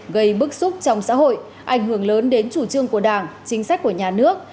gây bức xúc trong xã hội ảnh hưởng lớn đến chủ trương của đảng chính sách của nhà nước